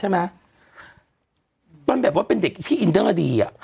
มันแบบว่าเป็นเด็กที่อินเตอร์ดีอ่ะ